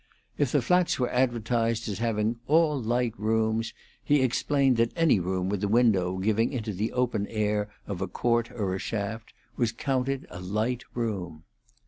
If the flats were advertised as having "all light rooms," he explained that any room with a window giving into the open air of a court or shaft was counted a light room.